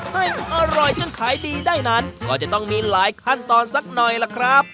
ให้อร่อยจนขายดีได้นั้นก็จะต้องมีหลายขั้นตอนสักหน่อยล่ะครับ